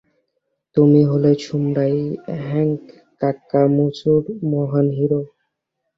তুমি হলে samurai Hank, কাকামুচোর মহান হিরো!